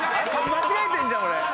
間違えてんじゃんこれ。